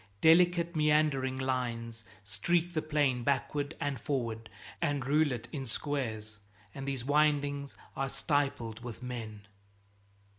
Delicate meandering lines streak the plain backward and forward and rule it in squares, and these windings are stippled with men.